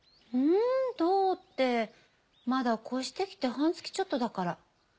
どうってまだ越してきて半月ちょっとだから。